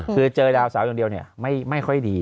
คือเจอดาวเสาอย่างเดียวไม่ค่อยดี